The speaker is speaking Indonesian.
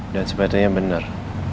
dan sebetulnya benar